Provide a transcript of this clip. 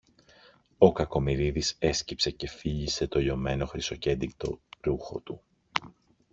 Ο Κακομοιρίδης έσκυψε και φίλησε το λιωμένο χρυσοκέντητο ρούχο του.